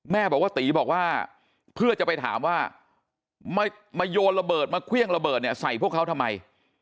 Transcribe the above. แม่บอกว่าตีบอกว่าเพื่อจะไปถามว่ามาโยนระเบิดมาเครื่องระเบิดเนี่ยใส่พวกเขาทำไม